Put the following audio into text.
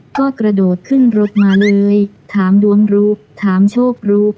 ก็กระโดดขึ้นรถมาเลยถามดวงรู้ถามโชครู้